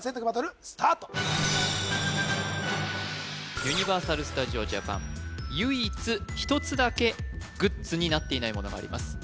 バトルスタートユニバーサル・スタジオ・ジャパン唯一１つだけグッズになっていないものがあります